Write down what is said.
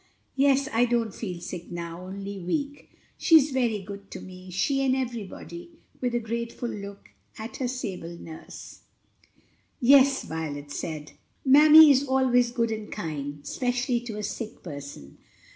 "Yes, I don't feel sick now, only weak. She's very good to me, she and everybody," with a grateful look at her sable nurse. "Yes," Violet said, "mammy is always good and kind, especially to a sick person.